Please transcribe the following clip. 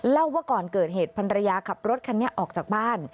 เล่าว่าก่อนเกิดเหตุพันรยาขับรถคันนี้ออกจากบ้าน